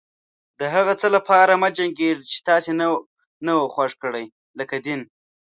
د هغه څه لپاره مه جنګيږئ چې تاسې نه و خوښ کړي لکه دين.